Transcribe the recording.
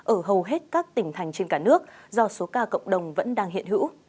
ở hầu hết các tỉnh thành trên cả nước do số ca cộng đồng vẫn đang hiện hữu